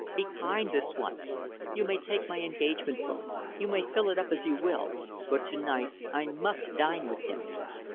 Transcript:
Be kind this once. You may take my engagement book, you may fill it up as you will, but to night I must dine with him.